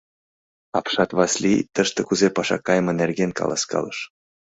Апшат Васлий тыште кузе паша кайыме нерген каласкалыш.